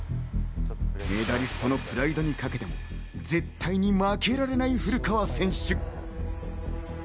メダリストのプライドにかけても絶対に負けられない古川選手。